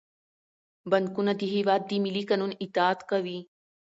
بانکونه د هیواد د مالي قانون اطاعت کوي.